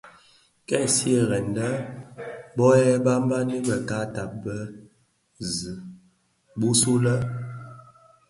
Kè shyeren lè bō yè banbani bë kaata bë zi bisulè.